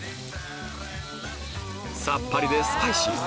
さっぱりでスパイシー